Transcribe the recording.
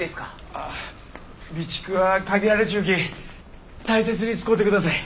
あ備蓄は限られちゅうき大切に使うてください。